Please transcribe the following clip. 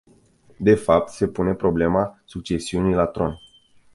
De fapt, se pune problema succesiunii la tron.